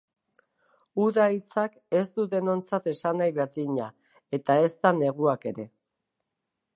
Uda hitzak ez du denontzat esanahi berdina eta ezta neguak ere.